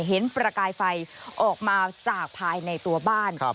ประกายไฟออกมาจากภายในตัวบ้าน